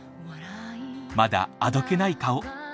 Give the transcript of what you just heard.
まだあどけない顔。